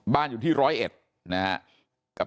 บ้านอยู่ที่ร้อยเอ็ดนะครับ